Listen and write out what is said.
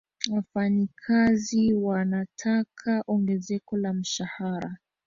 wafanyikazi wanataka ongezeko la mshahara